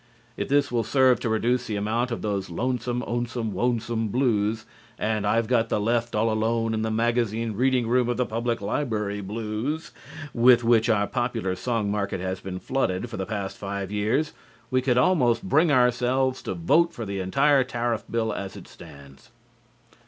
If this will serve to reduce the amount of "Those Lonesome Onesome Wonesome Blues" and "I've Got the Left All Alone in The Magazine Reading Room of the Public Library Blues" with which our popular song market has been flooded for the past five years, we could almost bring ourselves to vote for the entire tariff bill as it stands.